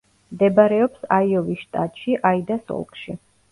მდებარეობს აიოვის შტატში, აიდას ოლქში.